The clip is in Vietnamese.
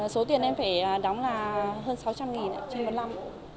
số tiền em phải đóng là hơn sáu trăm linh trên một năm